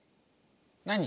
何？